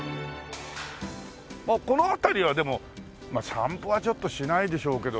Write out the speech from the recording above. この辺りはでもまあ散歩はちょっとしないでしょうけどそんなに。